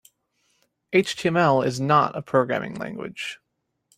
HTML is not a programming language.